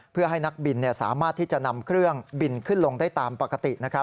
เพื่อให้นักบินสามารถที่จะนำเครื่องบินขึ้นลงได้ตามปกติ